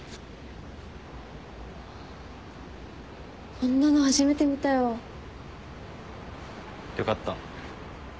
こんなの初めて見たよ。よかった。